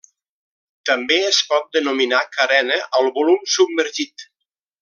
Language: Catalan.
També es pot denominar carena al volum submergit.